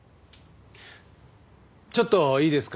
ちょっといいですか？